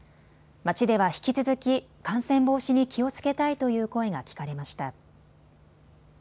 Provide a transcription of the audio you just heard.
街では引き続き感染防止に気をつけたいという声が聞かれました。